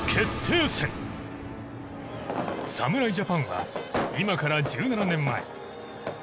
侍ジャパンは今から１７年前。